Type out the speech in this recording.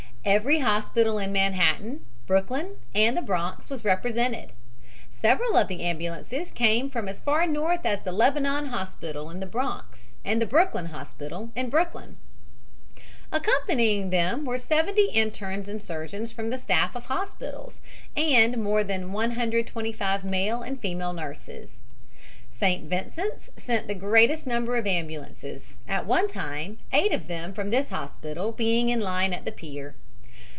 Every hospital in Manhattan, Brooklyn and the Bronx was represented. Several of the ambulances came from as far north as the Lebanon Hospital, in the Bronx, and the Brooklyn Hospital, in Brooklyn. Accompanying them were seventy internes and surgeons from the staffs of the hospitals, and more than 125 male and female nurses. St. Vincent's sent the greatest number of ambulances, at one time, eight of them from this hospital being in line at the pier.